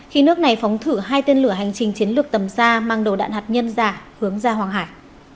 khi nước này phóng thử hai tên lửa hành trình chiến lược tầm xa mang đồ đạn hạt nhân giả hướng ra hoàng hải